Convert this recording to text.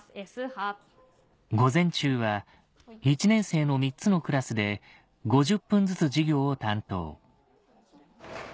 午前中は１年生の３つのクラスで５０分ずつ授業を担当